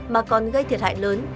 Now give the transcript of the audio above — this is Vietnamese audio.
mà còn gây thiệt hại lớn